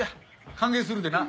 歓迎するでな。